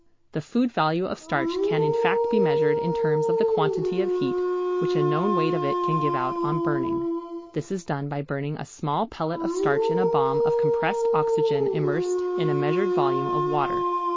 The food value of starch can in fact be measured in terms of the quantity of heat which a known weight of it can give out on burning. This is done by burning a small pellet of starch in a bomb of compressed oxygen immersed in a measured volume of water.